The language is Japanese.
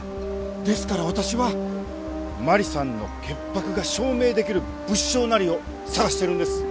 ですから私は真里さんの潔白が証明できる物証なりを捜してるんです！